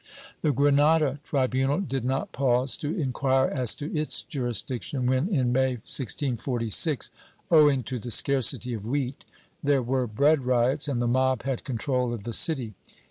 ^ The Granada tribunal did net pause to enquire as to its juris diction when, in May 1646, owing to the scarcity of wheat, there were bread riots and the mob had control of the city.